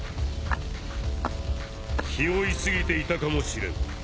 気負いすぎていたかもしれん。